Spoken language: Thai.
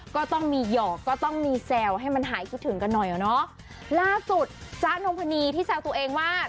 ก็ต้องมีหยอกก็ต้องมีแซวให้มันหายคิดถึงกันหน่อยอ่ะเนอะล่าสุดจ๊ะนงพนีที่แซวตัวเองว่า